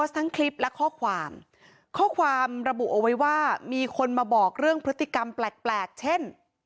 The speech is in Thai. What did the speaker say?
ทั้งคลิปและข้อความข้อความระบุเอาไว้ว่ามีคนมาบอกเรื่องพฤติกรรมแปลกเช่น